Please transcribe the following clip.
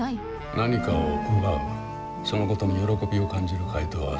何かを奪うそのことに喜びを感じる怪盗は存在する。